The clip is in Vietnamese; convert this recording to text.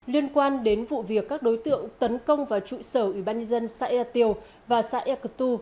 liên quan đến vụ việc các đối tượng tấn công vào trụ sở ubnd xã ea tiêu và xã ea cơ tu